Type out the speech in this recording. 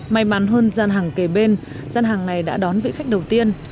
may mắn hơn gian hàng kề bên gian hàng này đã đón vị khách đầu tiên